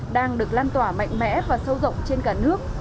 đang được lan tỏa mạnh mẽ và sâu rộng trên cả nước